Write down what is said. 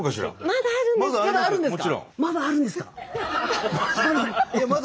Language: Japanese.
まだあるんですけど。